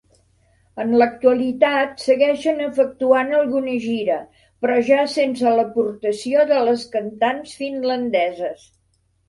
En l'actualitat segueixen efectuant alguna gira però ja sense l'aportació de les cantants finlandeses.